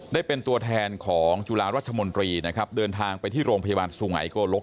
ได้เป็นตัวแทนของจุฬารัชมนตรีนะครับเดินทางไปที่โรงพยาบาลสุงัยโกลก